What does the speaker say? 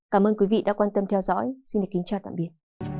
cảm ơn quý vị đã quan tâm theo dõi xin kính chào tạm biệt